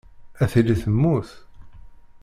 Ad tili temmut.